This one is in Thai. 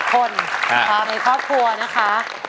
ครับในครอบครัวนะครับ